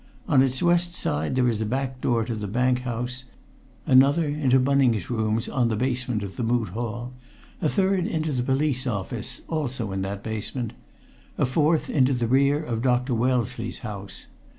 On its west side there is a back door to the bank house; another into Bunning's rooms on the basement of the Moot Hall; a third into the Police Office, also in that basement; a fourth into the rear of Dr. Wellesley's house.